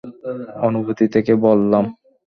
অনুভূতি থেকে বললাম।